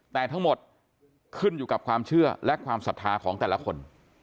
แต่ทั้งหมดขึ้นอยู่กับความเชื่อและความศรัทธาของแต่ละคน